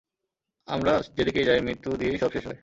আমরা যেদিকেই যাই, মৃত্যু দিয়েই সব শেষ হয়।